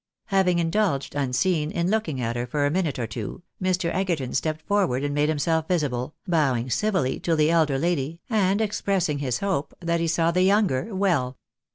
Having indulged, unseen, in looking at her for a minute or two, Mr. Egerton stepped forward and made himself visible, bowing civilly to the elder lady, and expressing his hope that he saw the younger well.